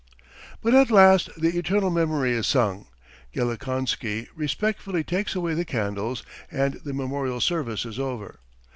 But at last the "Eternal Memory" is sung. Gelikonsky respectfully takes away the candles, and the memorial service is over.